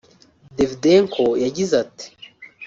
Davydenko yagize ati